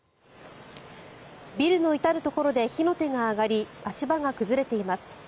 ビルの至るところで火の手が上がり足場が崩れています。